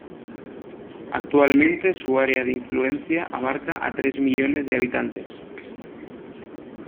Actualmente su área de influencia abarca a tres millones de habitantes.